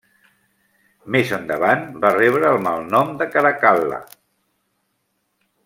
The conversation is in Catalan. Més endavant va rebre el malnom de Caracal·la.